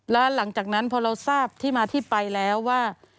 แล้วหลังจากนั้นพอเราทราบที่มาที่ไปแล้วว่า